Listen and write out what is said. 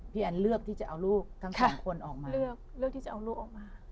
พี่แอนเลือกที่จะเอาลูกทั้งสามคนออกมา